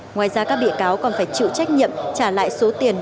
ngoài ra các bị cáo còn phải chịu trách nhiệm trả lại số tiền